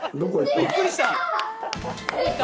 びっくりした。